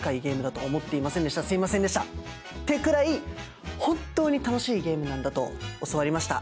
すいませんでしたってくらい本当に楽しいゲームなんだと教わりました。